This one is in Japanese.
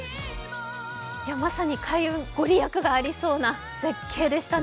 まさに開運、御利益がありそうな絶景でしたね。